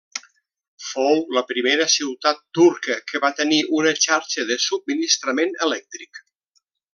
Fou la primera ciutat turca que va tenir una xarxa de subministrament elèctric.